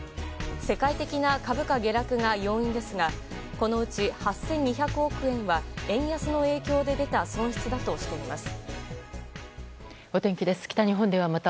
世界的な株価下落が要因ですがこのうち８２００億円は円安の影響で出た損失だとしています。